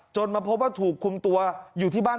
มาพบว่าถูกคุมตัวอยู่ที่บ้าน